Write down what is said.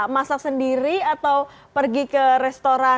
masak sendiri atau pergi ke restoran